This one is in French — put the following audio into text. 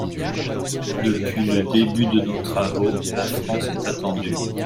Depuis le début de nos travaux, la France est attendue.